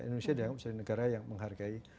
indonesia adalah negara yang menghargai